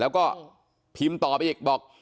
แล้วก็พิมพ์ต่อไปอีกบอก